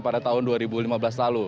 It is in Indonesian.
pada tahun dua ribu lima belas lalu